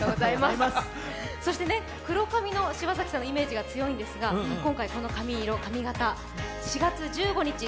そして、黒髪の柴崎さんのイメージ強いんですが今回、この髪色、髪形、４月１５日